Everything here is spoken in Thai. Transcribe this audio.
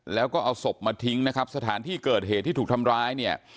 แล้วก็เอาศพมาทิ้งนะครับสถานที่เกิดเหตุที่ถูกทำร้ายเนี่ย